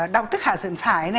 đau tức hạ dần phải